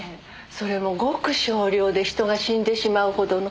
それもごく少量で人が死んでしまう程の猛毒。